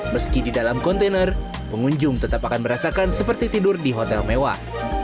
meski di dalam kontainer pengunjung tetap akan merasakan seperti tidur di hotel mewah